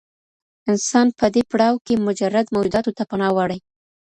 انسان په دې پړاو کي مجرد موجوداتو ته پناه وړي.